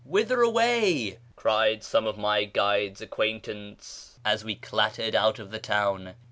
" AVhither away ?" cried some of my guide's acquaintance as we clattered out of the town.